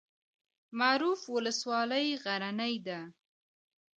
معروف ولسوالۍ غرنۍ ده؟